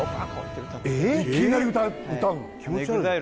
いきなり歌うの？